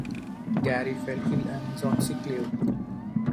Gary fell ill and is on sick leave.